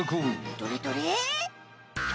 どれどれ？